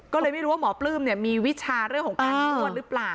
ก็เลยไม่รู้ว่าหมอปลื้มมีวิชาเรื่องของการนวดหรือเปล่า